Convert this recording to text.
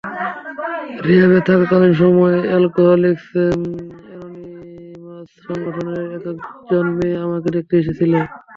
রিহ্যাবে থাকাকালীন সময়ে অ্যালকোহলিক্স অ্যানোনিমাস সংগঠনের একজন মেয়ে আমাকে দেখতে এসেছিল।